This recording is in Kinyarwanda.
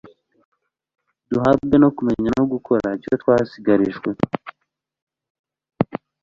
Duhabwe no kumenya No gukora icyo twasigarijwe